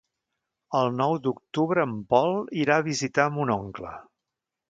El nou d'octubre en Pol irà a visitar mon oncle.